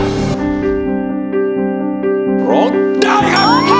ร้องได้ครับ